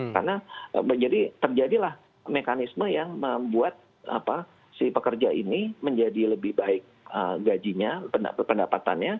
karena terjadilah mekanisme yang membuat si pekerja ini menjadi lebih baik gajinya pendapatannya